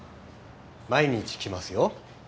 毎日来ますよ。